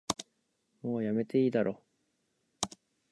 もうやめていいだろ